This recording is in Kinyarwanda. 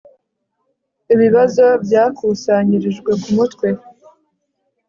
Ibibazo byakusanyirijwe kumutwe